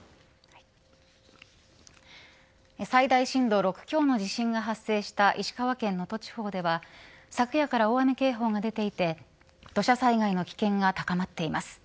最大震度６強の地震が発生した石川県能登地方では昨夜から大雨警報が出ていて土砂災害の危険が高まっています。